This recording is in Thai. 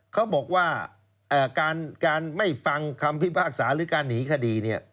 เขาบอกว่าเอ่อการการไม่ฟังคำพิพากษาหรือการหนีคดีเนี้ย